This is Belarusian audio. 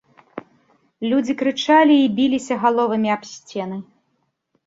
Людзі крычалі і біліся галовамі аб сцены.